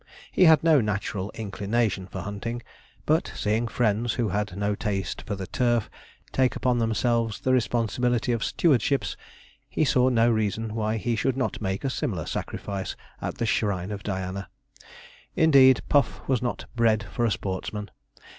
He had no natural inclination for hunting, but seeing friends who had no taste for the turf take upon themselves the responsibility of stewardships, he saw no reason why he should not make a similar sacrifice at the shrine of Diana. Indeed, Puff was not bred for a sportsman.